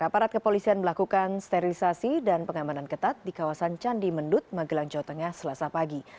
aparat kepolisian melakukan sterilisasi dan pengamanan ketat di kawasan candi mendut magelang jawa tengah selasa pagi